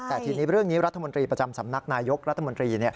แต่ทีนี้เรื่องนี้รัฐมนตรีประจำสำนักนายกรัฐมนตรี